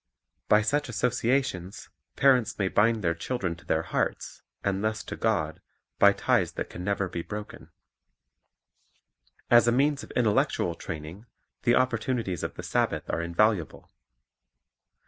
By such associations parents may bind their children to their hearts, and thus to God, by ties that can never be broken. As a means of intellectual training, the opportunities of the Sabbath are invaluable.